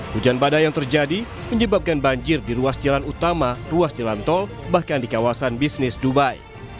hujan badai yang terjadi menyebabkan banjir di ruas jalan utama ruas jalan tol bahkan di kawasan bisnis dubai